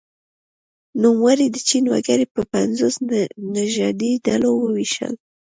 نوموړي د چین وګړي په پنځو نژادي ډلو وویشل.